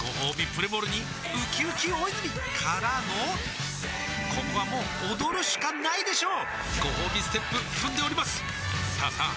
プレモルにうきうき大泉からのここはもう踊るしかないでしょうごほうびステップ踏んでおりますさあさあ